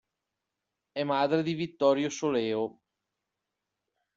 È madre di Vittorio Soleo.